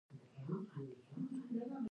دفاعي ملګرتیا پیاوړې کړي